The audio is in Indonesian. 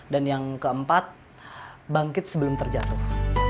dan yang keempat bangkit sebelum terjatuh